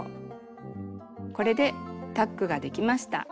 これでタックができました。